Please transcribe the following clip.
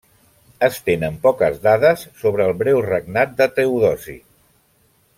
Es tenen poques dades sobre el breu regnat de Teodosi.